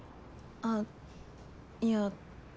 ああいや